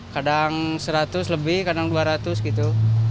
kadang seratus lebih kadang dua ratus gitu